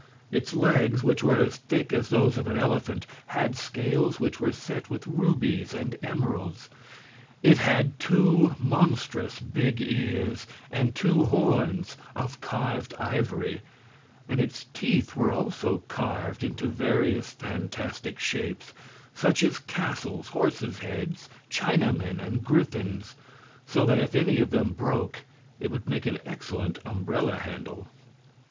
Its legs, which were as thick as those of an elephant, had scales which were set with rubies and emeralds. It had two monstrous, big ears and two horns of carved ivory, and its teeth were also carved into various fantastic shapes such as castles, horses' heads, chinamen and griffins so that if any of them broke it would make an excellent umbrella handle.